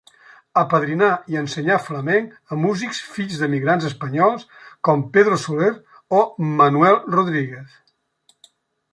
Apadrinà i ensenyà flamenc a músics fills d'emigrants espanyols, com Pedro Soler o Manuel Rodríguez.